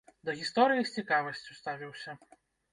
Да гісторыі з цікавасцю ставіўся.